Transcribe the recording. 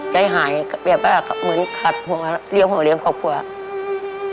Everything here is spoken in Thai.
ใจหายแบบเหมือนขาดหัวเลี้ยงขอบคุณ